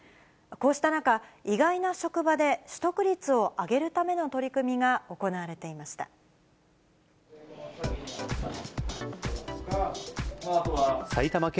こうした中、意外な職場で、取得率を上げるための取り組みが行われていました。